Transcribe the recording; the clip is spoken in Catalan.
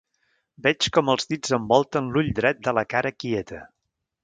Veig com els dits envolten l'ull dret de la cara quieta.